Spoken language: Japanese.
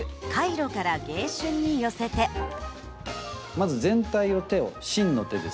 まず全体の手を真の手ですね